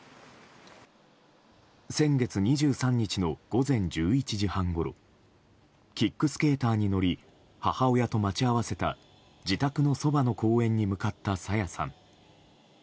先月２３日の午前１１時半ごろキックスケーターに乗り母親と待ち合わせた自宅のそばの公園に向かった朝芽さん。